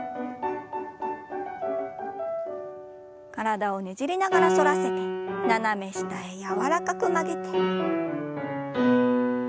体をねじりながら反らせて斜め下へ柔らかく曲げて。